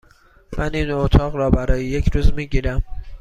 من این اتاق را برای یک روز می گیرم.